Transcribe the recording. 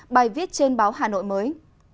bài viết trên báo hà nội mới